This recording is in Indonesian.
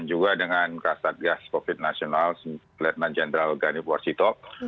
dan juga dengan kastadgas covid sembilan belas nasional lieutenant general ghanib warsito